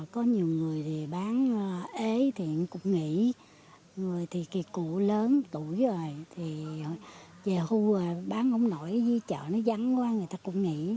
có nhiều người thì bán ế thì cũng nghỉ người thì kỳ cụ lớn tuổi rồi thì về khu bán không nổi chợ nó vắng quá người ta cũng nghỉ